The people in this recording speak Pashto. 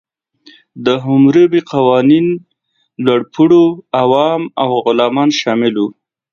د حموربي قوانین لوړپوړو، عوام او غلامان شامل وو.